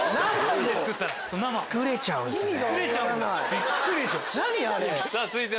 作れちゃうんすね。